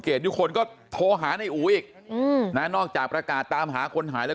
ทุกคนก็โทรหาในอู๋อีกนะนอกจากประกาศตามหาคนหายแล้ว